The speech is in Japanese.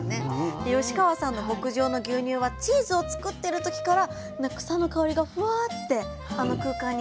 で吉川さんの牧場の牛乳はチーズを作ってる時から草の香りがフワーッてあの空間に香ってたりとか。